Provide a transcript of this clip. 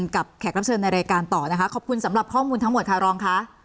แขกรับเชิญในรายการต่อนะคะขอบคุณสำหรับข้อมูลทั้งหมดค่ะรองค่ะ